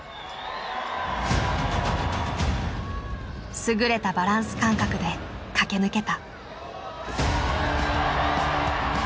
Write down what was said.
優れたバランス感覚で駆け抜けた。